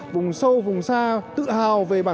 vùng sâu vùng xa tự hào về bản thân